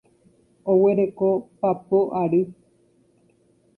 Oguereko papo ary.